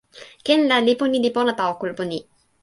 ken la lipu ni li pona tawa kulupu ni.